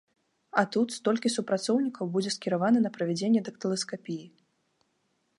А тут столькі супрацоўнікаў будзе скіравана на правядзенне дактыласкапіі.